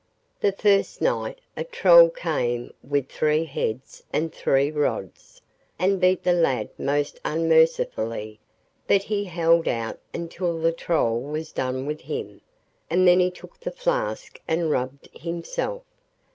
The first night a Troll came with three heads and three rods, and beat the lad most unmercifully; but he held out until the Troll was done with him, and then he took the flask and rubbed himself.